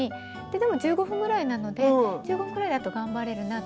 でも１５分ぐらいなので１５分くらいだったら頑張れるなって。